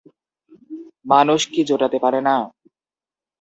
মানুষ কি জোটাতে পারে না?